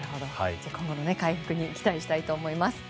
今後の回復に期待をしたいと思います。